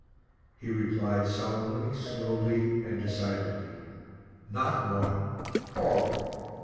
He replied solemnly, slowly and decidedly, "Not one all."